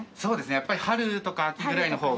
やっぱり春とか秋ぐらいの方が。